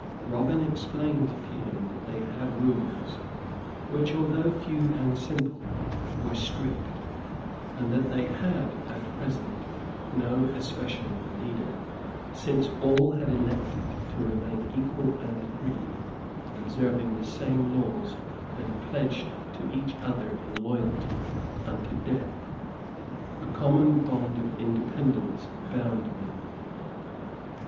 Robin explained to him that they had rules, which, although few and simple, were strict, and that they had, at present, no especial leader, since all had elected to remain equal and free, observing the same laws and pledged to each other in loyalty unto death. A common bond of independence bound them.